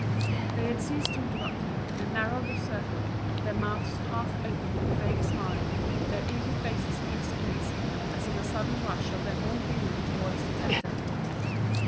They had ceased to interrupt him, and narrowed the circle, their mouths half open with a vague smile, their eager faces close to his, as in a sudden rush of their whole being towards the tempter.